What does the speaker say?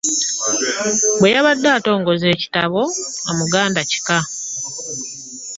Bweyabadde atongoza ekitabo ‘Omuganda Kika'